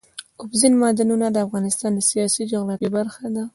اوبزین معدنونه د افغانستان د سیاسي جغرافیه برخه ده.